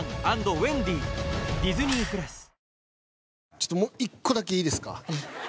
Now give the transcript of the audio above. ちょっともう１個だけいいですか？